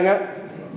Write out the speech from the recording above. công dân á